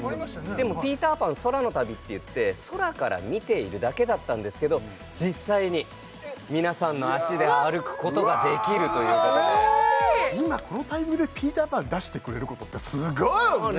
でもピーターパン空の旅っていって空から見ているだけだったんですけど実際に皆さんの足で歩くことができるということで今このタイムでピーターパン出してくれることってすごいね！